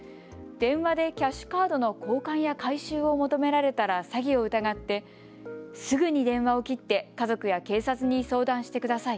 電話でキャッシュカードの交換や回収を求められたら詐欺を疑ってすぐに電話を切って家族や警察に相談してください。